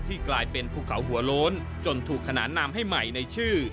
กลายเป็นภูเขาหัวโล้นจนถูกขนานนามให้ใหม่ในชื่อ